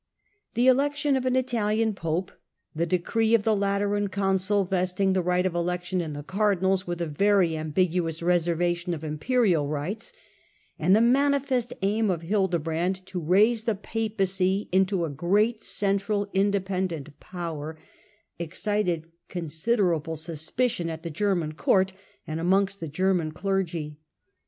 The election of an Italian pope, the decree of the Lateran Council vesting the right of election in the cardinals with a very ambiguous reservation of im perial rights, and the manifest aim of Hildebrand to raise the Papacy into a great central independent Beiations of powor, cxcitod Considerable suspicion at the imdthe Pope German court and amongst the German clergy.